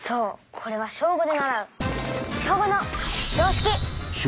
これは小５で習う「小５の常識！」